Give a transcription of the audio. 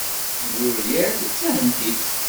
Muiriel d tahendit.